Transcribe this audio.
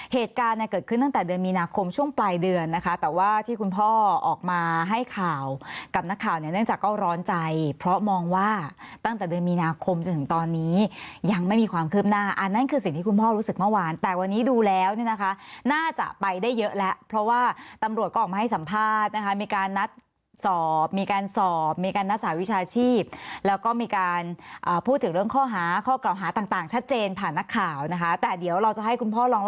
เหตุการณ์เนี่ยเกิดขึ้นตั้งแต่เดือนมีนาคมช่วงปลายเดือนนะคะแต่ว่าที่คุณพ่อออกมาให้ข่าวกับนักข่าวเนี่ยเนื่องจากก็ร้อนใจเพราะมองว่าตั้งแต่เดือนมีนาคมจนถึงตอนนี้ยังไม่มีความคืบหน้าอันนั้นคือสิ่งที่คุณพ่อรู้สึกเมื่อวานแต่วันนี้ดูแล้วเนี่ยนะคะน่าจะไปได้เยอะแล้วเพราะว่าตำรวจก็ออกมาให้สัม